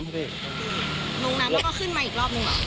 หรือเขาขึ้นมาอีกรอบหนึ่ง